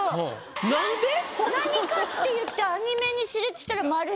何かっていってアニメにするっつったら丸い。